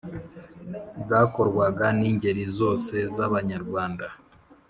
Bwakorwaga n’ingeri zose z’Abanyarwanda.